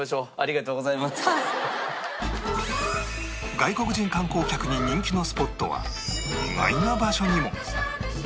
外国人観光客に人気のスポットは意外な場所にも